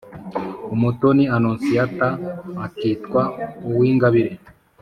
Umutoni annonciata akitwa uwingabire